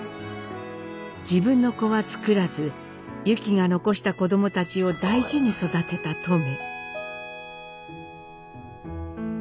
自分の子はつくらずユキが残した子どもたちを大事に育てたトメ。